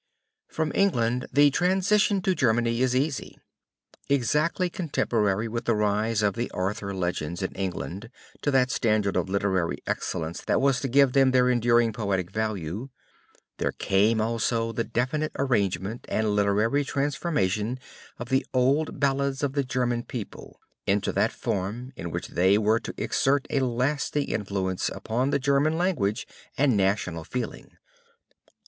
From England the transition to Germany is easy. Exactly contemporary with the rise of the Arthur Legends in England to that standard of literary excellence that was to give them their enduring poetic value, there came also the definite arrangement and literary transformation of the old ballads of the German people, into that form in which they were to exert a lasting influence upon the German language and national feeling.